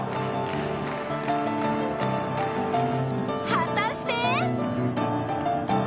［果たして！？］